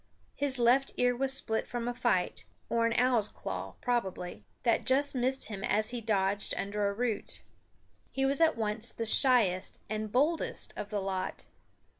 His left ear was split from a fight, or an owl's claw, probably, that just missed him as he dodged under a root. He was at once the shyest and boldest of the lot.